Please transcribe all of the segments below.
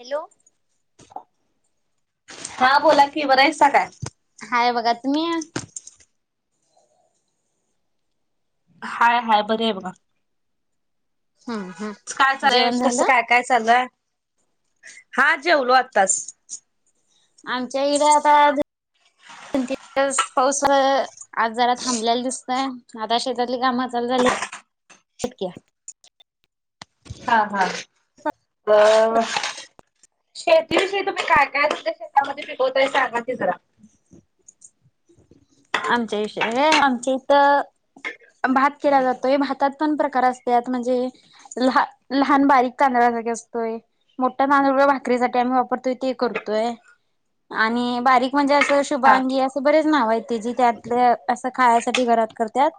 Hello! हा बोला कि बर्‍या हायसा काय? काय बघा तुम्ही? हाय हाय बर आहे बघा. हम्म हम्म काय चालय, जेवण कस झालं काय काय चाललं? हा जेवलो आत्ताच. आमच्या इकड आता दोन, तीन दिवस पाऊस - आज जरा थांबलेला दिसतय. आता शेतातली काम चाल झाल्यात कि - हा हा अं! शेतीविषयी तुम्ही काय, काय शेतामध्ये पिकवताय सांगा कि जरा. आमच्या विषयी, आमच्या इथ. भात केला जातोय. हे भातात पण प्रकार असत्यात म्हणजे ल लहान बारीक तांदळाचा फरक असतोय. मोठा तांदूळ भाकरीसाठी आम्ही वापरतोय ते करतोय. आणि बारीक म्हणजे अस्- तर हा शुभांगी असं बरेच नाव आहेत. ते जे त्यातल्या असं खायासाठी घरात करण्यात.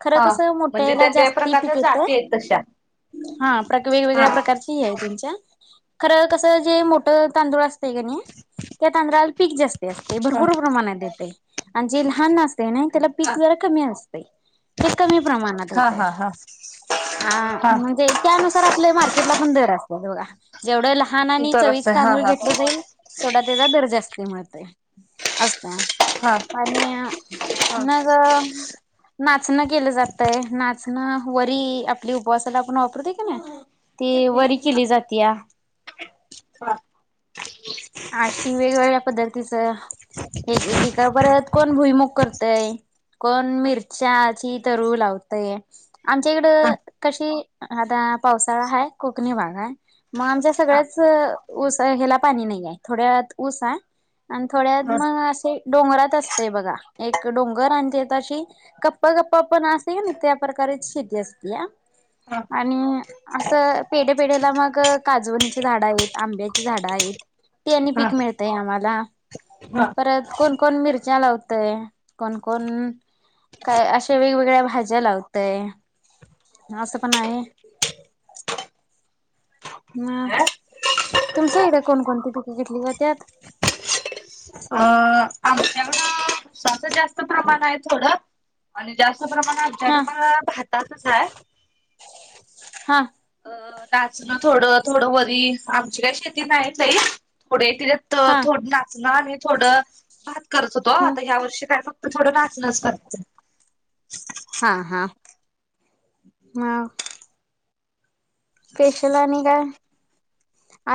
खरं हा. कसं म्हणजे मोठ्याला त्याच्या जास्ती प्रकारच्या पिक येतय? जाती आहेत तशा. हा प्रक वेगवेगळ्या हा प्रकारची हि आहे तुमच्या खरं कस जे मोठं तांदूळ असतय कनी, त्या तांदूळाला पीक जास्त - अस हा भरपूर प्रमाणात येतेय. जे लहान असते ना, त्याला पीक जरा कमी असते ते कमी प्रमाणात येतय. हा हा हा अ हा. म्हणजे त्यानुसार आपल्या मार्केटला पण दर असतात बघा जेवढ लहान आणि चवी - वीस जरासं हा तांदूळ हा घेत जाईल तेवढा त्याचा दर जस्त मिळुन जाईल अस् हा! आणि हा मग नाचणं केलं जातय नाच - ना वरी आपली उपवासाला आपण वापरतोय कनाय ती वरी केली जातीय या.. ह! हां! अ वेगवेगळ्या पद्धतीचं- एक पिका परत कोण भुईमूग करतय.. कोण मिरच्याची तरु लावतय आमच्या इकड कशी आता.. - पावसाळा हाय कोकणी भाग आहे. मग आमच्या सगळ्याच ऊस ह्याला पाणी नाही आहे. थोड्यात ऊस आहे. आणि थोड्यात मग हा असे - डोंगरात असतय बघा एक डोंगर आणि त्यात अशी कप्प कप्प पण असतय ना त्या प्रमाणात - बरीच शेती असतीय या.. - आणि असं पेढ्या पेढ्याला मग काजवणीची झाडं आहेत. आंब्याची झाडं आहेत. ते आणि पीक हा मिळतय आम्हाला. परत कोण कोण मिरच्या लावतय कोणकण काय अशा वेगवेगळ्या भाज्या लावतय असं पण आहे. हा. [unintelligible] तुमच्या इकड कोणकोणती पिके घेतली जात्यात. अ आमच्याकडं हा [unintelligible] हा अ नाचणं थोडं थोडं वरी आमची काय शेती नाही [unintelligible] थोडे त्याच्यात अ हा थोड नाचणं आणि थोडं भात करत होतो ह आता ह्या वर्षी काय फक फक्त थोडं नाचणच [unintelligible] हा हा ह फेशल आणि काय.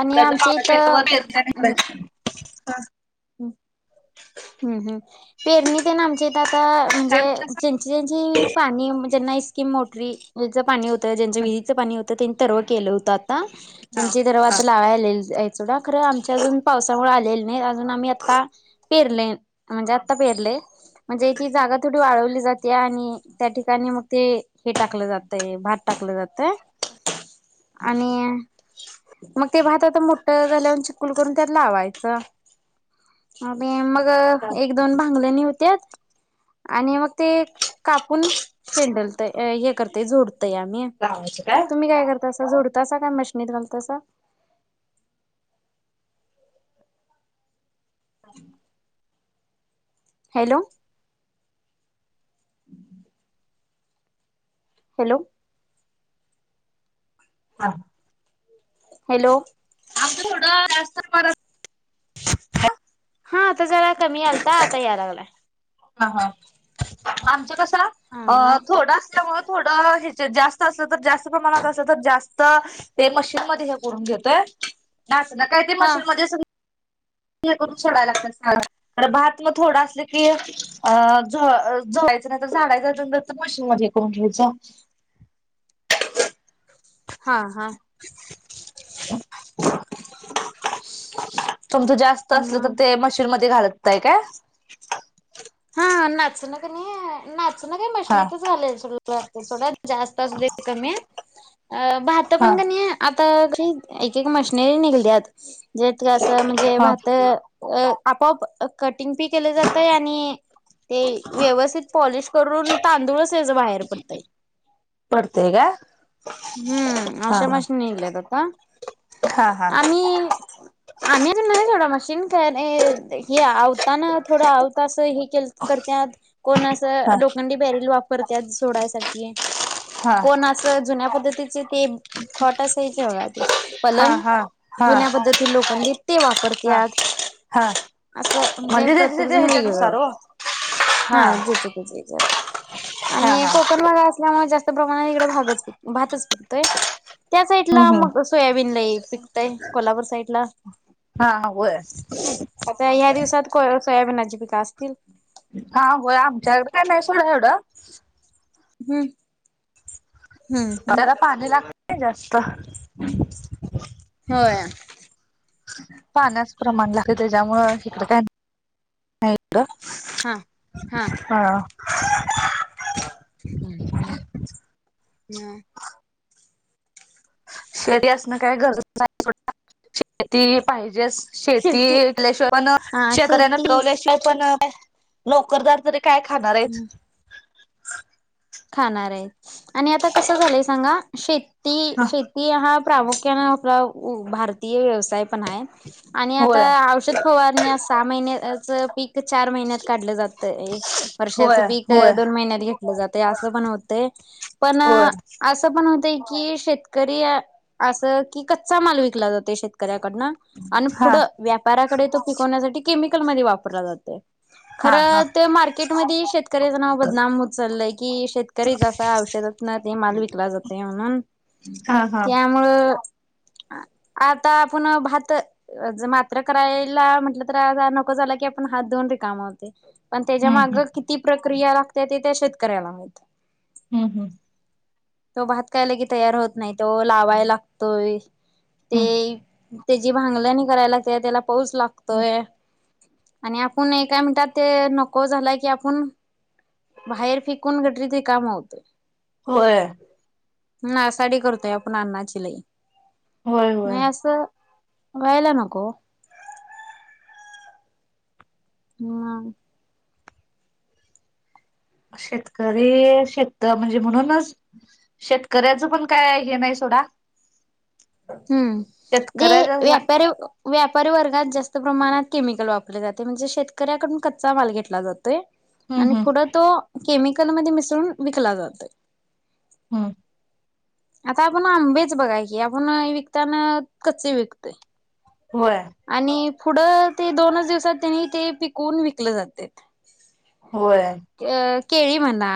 आणि आमच्या हम् हम्म हम् पेरणी त ना आमच्या इथ आता म्हणजे म्हटलासा? ज्यांची ज्यांची पाणी ज्यांना इस्कीम मोटरी जाच पाणी होतं ज्यांच्या विहिरीच पाणी होतं त्यांनी हा हा [unintelligible] [unintelligible] आमचे अजून पावसामुळे आलेले नाही म्हणून आम्ही आता पेरले म्हणजे आता पेरले. म्हणजे ती जागा थोडी वाळवली जाते आणि त्या ठिकाणी मग ते हे टाकलं जातय भात टाक कलं जातय आणि मग ते भात आता मोठ झाल्यावर चिकुल करून त्यात लावायचं. ते मग एक दोन भांगले निव तेच आणि मग ते कापून शेंडल तय हे करते जोड [unintelligible] तुम्ही काय करतासा जोड तसा काय मशीनीत घालतासा. [inaudible] हॅलो. हॅलो [unintelligible] हॅलो आमच थोडं जास्त परत हा आता जरा कमी आलता आता याय लागलाय. हा हा आमच कस हा अ हा थोडं असल्यामुळ थोडं हे ते जास्त असलं तर जास्त प्रमाणात असलं तर जास्त ते मशीन मध्ये हे करून घेतय नाच ना काय ते हा मशीन मध्ये सगळी हे करून सोडाय लागतस मला तर भात मग थोडं असलं की अ [unintelligible] मशीन मध्ये करून घ्यायच. हा हा [inaudible] तुमचं जास्त असलं हा तर ते मशीन मध्ये घालताय काय. [unintelligible] [unintelligible] [unintelligible] [unintelligible] हा हा एक मशनरी निघाल्यात ज्यात हे असं म्हणजे हा भात अ आपोआप अ कटिंग पी केलं जातय आणि ते व्यवस्थित पॉलिश करून तांदूळच त्याचं बाहेर पडतय. पडतय का. हम्म अशा हा मशीनी इल्यात आता. हा हा आम्ही आम्ही पण नाही [unintelligible] न का हे आवताना थोडं आवता अस हे के करतात कोण असं हा लोखंडी बॅरल वापरतात सोडासाठी हा हा कोण असं जुन्या त्याचे ते खोटा साईज ब हा पलंग हा हा जुन्या पद्धती लोखंडीित ते हा वापरतात हा असं म्हणजे त्याच्या प्रत्येक त्याच्या जण वेगळ ह्याच्यानुसार हो हा जच त हा आणि हा कोकण माग मुळे जास्त प्रमाणा इकडं भागच भातच पिकतोय त्या साईड ला हम्म हम्म मग सोयाबीन ला पिकतय कोल्हापूर साईड ला हा वय ह्या दिवसात सोयाबीनाची पिका असतील हा हो आमच्याकडे काय नाही सोडं एवढं हम्म हम्म हम्म त्याला पाणी लागत जास्त होय पाण्यास प्रमाण लागतं त्याच्यामुळे इकडें काय नाही हा हॅ हा. ह हम् ह. शेरी असणं काय गरजच शेती पाहिजे. शेती शेतीटल्याशिवाय पण हा शेतकऱ्यांना शेती पिकवल्याशिवाय पण नोकरदार तरी काय खाणार आहे. खाणार आहे. आणि आता कसं झालंय सांगा शेती ह शेती हा प्रामुख्यान भारतीय व्यवसाय पण आहे आणि आता होय औषध फवारण्या सहा महिने पीक चार महिन्यात काढलं जातं वर्षाच होय पीक होय दोन महिन्यात घेतलं जात. असं पण होतंय पण होय अस पण की शेतकरी अस की कचचा माल विकला जातो शेतकऱ्या कडणा आणि हा पुढं व्यापाराकडे तो पिकवण्यासाठी केमिकल मध्ये वापरला जाते. हा हा खरं तर मार्केटमध्ये शेतकऱ्याच नाव बदनाम होत चाललंय. कि शेतकरीचा औषधात ना ते माल विकला जाते म्हणून हा हा त्या मूळ [inaudible] आता आपण भात मात्र करायला म्हटलं तर आ नको झाला की ण हात दोन रिकामा होते. पण त्याच्या हम्म माग हम्म किती प्रक्रिया लागते ते त्या शेतकऱ्याला माहित हम्म हम्म. तो भातकायला की तयार होत नाही तो लावाय लागतोय. ते हम्म त्या जी भांगलणी करायला ते त्याला पाऊच हम्म लागतोय. आणि आपण एका मिनटात ते नको झालाय की आपण बाहेर फिकून गटरीत रिकामा होत. होय. नासाडी करतोय आपण अन्नाची लई होय होय नाही असं. व्हायला नको. हम. शेतकरी शेत म्हणजे म्हणूनच शेतकऱ्याचं पण काय हे नाही सोडा हम्म जे शेतकऱ्याचा झा व्यापारी व्या परिवर्गात जास्त प्रमाणात केमिकल वापरले जाते म्हणजे शेतकऱ्याकडून कच्चा माल घेतला जातो. हम्म आणि हम्म पुढं तो केमिकल मध्ये मिसळून विकला जातो. हम्म. आता आपण आंबेच बघाय की आपण विकताना कच्चे विकतोय. होय आणि पुढं ते दोनच दिवसात त्यांनी ते पिकून विकले जाते. होय. अ केळी म्हणा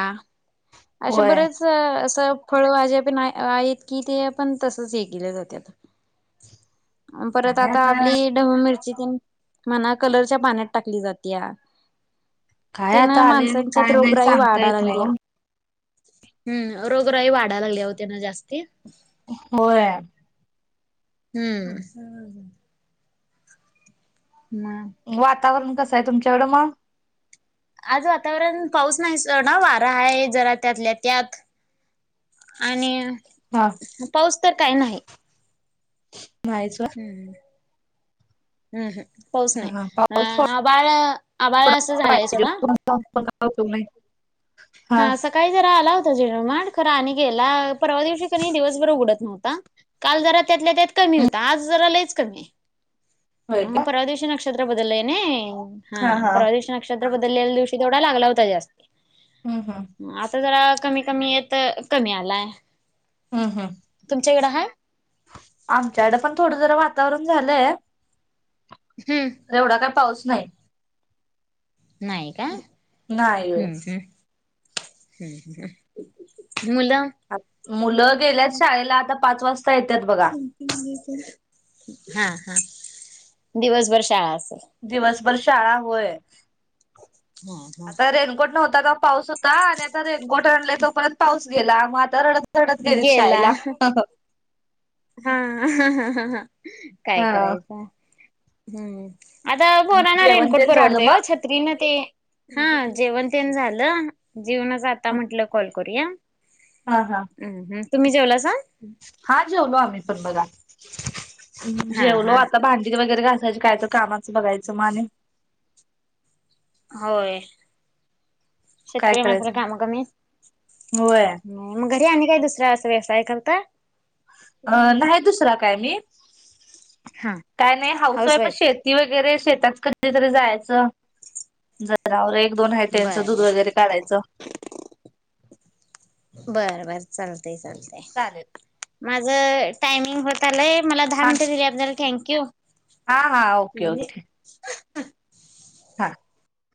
असे होय बरेच अस. फळभाजे पण आहेत की ते आपण तसच हे केले जाते आता परत आता आपली ही मिरची म्हणा कलरच्या पाण्यात टाकली जात्या काय त्यान आता आले आणि माणसांच्यात काय नाही रोगराई सांगता वाढाय येत नाही लागल्या हो हम्म रोगराही वाढाय लागल्या ओ त्यान जास्ती. होय हम्म. हम्. वातावरण कसं आहे तुमच्याकडं मग आज वातावरण पाऊस नाही स-ना वारा आहे जरा त्यातल्या त्यात आणि हा पाऊस तर काही नाही. मायच हं ह्म्म पाऊस हा नाही हा पाऊस थोडा अं आभाळ आभाळ असं झालंय सोडा प तुमही हा सकाळी जरा आला होत झिरमाट खर आणि गेलं, परवा दिवशी की नाही दिवसभर उगडत नव्हता काल जरा त्यातल्या त्यात कमी होता आज जरा लयच् होय कमीये का परवा दिवशी नक्षत्र बदलंय नाही हा परवा दिवशी नक्षत्र हा बदललेल्या दिवशी तेवढा लागला होता जास्त हम्म हम्म मग आता जरा कमी कमी येतं कमी आलाय हम् हम् [unintelligible] आमच्याकडं पण थोडं जरा वातावरण झालंय हम्म एवढा काय पाऊस नाही नाही का नाही होय हम्म हम् हम्म मुलं मुलं गेल्यात [inaudible] शाळेला आता पाच वाजता येतात बघा [inaudible] हा हा दिवसभर शाळा दिवसभर शाळा होय हा हा, आता रेनकोट नव्ह तर पाऊस होता आणि आता रेनकोट आणलय तोपर्यंत पाऊस गेला मग आता रडत गेलीत गेला शाळेला हंह.. हा अहं हंह.. हहह काय हा. करायचं हम्म आता पोरांना जेवण रेनकोट तेन झालं परवडतंय होय मग? छत्रीनं ते हं.. जेवण तेन झालं जेवूनच आता म्हटलं कॉल करूया हा हा हम्म हम्म तुम्ही जेवलासा हा जेवलो आम्ही पण बघा हा जेवलो हा आता भांडी वगैरे घासायची कायतर कामाचं बघायचं म आणि होय काय शेतकरी माणला करायचं मग. काम कमी होय मग ते आणि काय दुसरा अस व्यवसाय करता अं.. नाही दुसरा काय मी हा काय नाही हाऊस वाईफ च शेती वगैरे शेतात कध कधीतरी जायचं जनावरे एक दोन आहे त्यांचं दूध बर बर वगैरे काढायचं बर बर चालतय चालतय चालेल माझ टायमिंग होत आलंय मला दहा हा मिनटं दिल्या दिल्याबद्दल थँक्यू हा हा ओके ओके हा